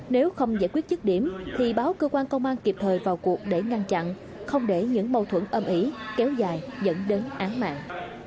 nếu không giải quyết chức điểm thì báo cơ quan công an kịp thời vào cuộc để ngăn chặn không để những mâu thuẫn âm ỉ kéo dài dẫn đến án mạng